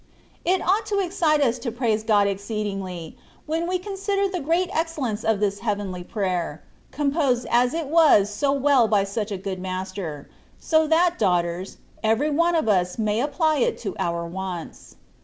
It ought to excite us to praise God exceedingly when we consider the great excellence of this heavenly prayer, composed as it was so well by such a good Master, so that, daughters, every one of us may apply it to our wants.